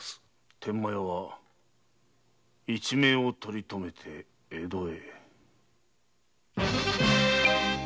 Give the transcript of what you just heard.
天満屋は一命を取り留めて江戸へ。